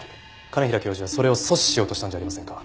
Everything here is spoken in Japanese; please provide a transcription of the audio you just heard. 兼平教授はそれを阻止しようとしたんじゃありませんか？